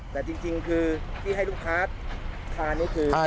แต่จริงคือที่ให้ลูกค้าทานนี่คือ